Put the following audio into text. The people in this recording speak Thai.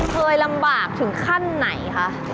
เกิดลำบากถึงขั้นไหนครับ